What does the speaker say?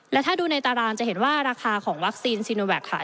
และถ้าดูในตารางจะเห็นว่าราคาของวัคซีนซีโนแวคค่ะ